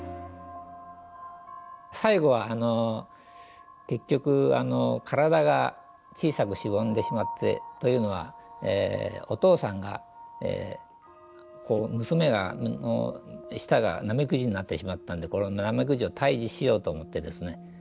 最後は結局体が小さくしぼんでしまってというのはお父さんが娘の舌がナメクジになってしまったんでこのナメクジを退治しようと思ってですね